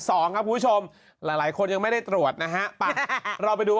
สองครับผู้ชมหลายคนยังไม่ได้ตรวจนะฮะไปเราไปดู